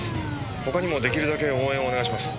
他にもできるだけ応援をお願いします。